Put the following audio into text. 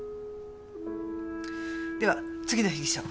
では次の被疑者を。